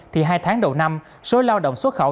thì hai tháng đầu năm số lao động xuất khẩu